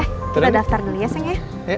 kita daftar dulu ya sih ya